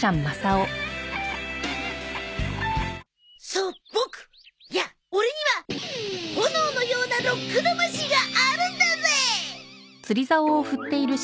そうボクいやオレには炎のようなロック魂があるんだぜ！